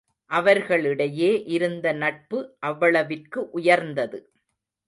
அவர்களிடையே இருந்த நட்பு அவ்வளவிற்கு உயர்ந்தது.